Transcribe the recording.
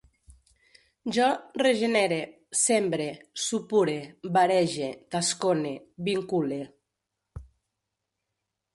Jo regenere, sembre, supure, varege, tascone, vincule